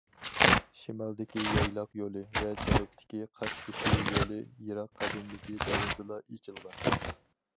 شىمالدىكى يايلاق يولى ۋە جەنۇبتىكى قاشتېشى يولى يىراق قەدىمكى دەۋردىلا ئېچىلغان.